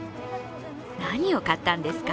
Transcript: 何を買ったんですか？